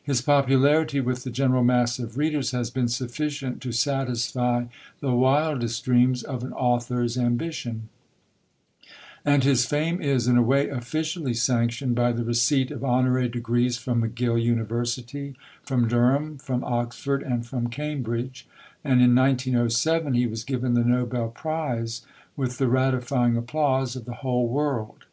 His popularity with the general mass of readers has been sufficient to satisfy the wildest dreams of an author's ambition; and his fame is, in a way, officially sanctioned by the receipt of honorary degrees from McGill University, from Durham, from Oxford, and from Cambridge; and in 1907 he was given the Nobel Prize, with the ratifying applause of the whole world.